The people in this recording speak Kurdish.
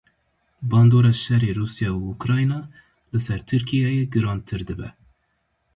Bandora şerê Rûsya û Ukrayna li ser Tirkiyeyê girantir dibe.